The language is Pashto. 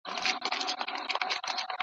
ویل سته خو عمل نسته `